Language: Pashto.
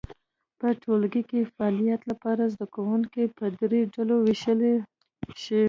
په ټولګي کې فعالیت لپاره زده کوونکي په درې ډلو وویشل شي.